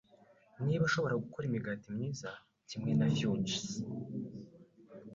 Niba ushobora gukora imigati myiza kimwe na fudges,